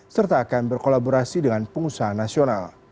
serta akan berkolaborasi dengan pengusaha nasional